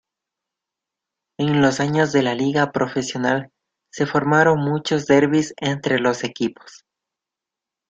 En los años de la Liga Profesional se formaron muchos derbis entre los equipos.